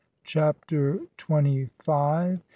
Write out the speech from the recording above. CHAPTER TWENTY FIVE.